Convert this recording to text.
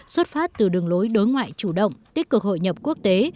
xuất phát từ đường lối đối ngoại chủ động tích cực hội nhập quốc tế